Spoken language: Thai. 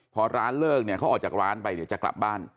พอร้านเลิกเนี่ยเขาออกจากร้านไปเดี๋ยวจะกลับบ้าน